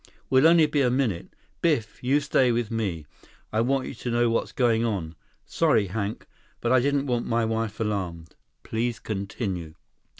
We'll only be a minute. Biff, you stay with me. I want you to know what's going on. Sorry, Hank, but I didn't want my wife alarmed. Please continue."